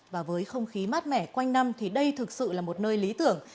và với không khí mát mẻ quanh năm thì đây thực sự là một nơi lý tưởng